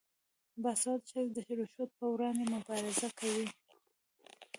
باسواده ښځې د رشوت پر وړاندې مبارزه کوي.